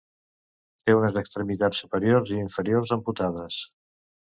Té unes extremitats superiors i inferiors amputades.